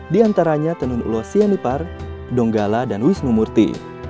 di antaranya tenun ulos sianipar donggala dan wisnu murti